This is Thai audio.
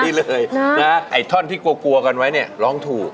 ไม่ไหวเลยไอ้ท่อนที่กลัวกลัวกันไว้นี่ร้องถูก